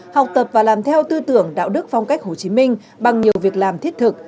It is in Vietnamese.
học tập và làm theo tư tưởng đạo đức phong cách hồ chí minh bằng nhiều việc làm thiết thực